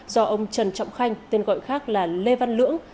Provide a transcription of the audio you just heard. do ông trần trọng khanh tên gọi khác là lê văn lưỡng